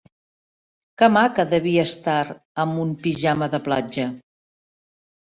Què maca devia estar amb un pijama de platja!